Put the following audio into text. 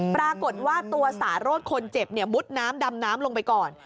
ปรากฏว่าตัวสารสคนเจ็บมุดน้ำดำน้ำลงไปก่อน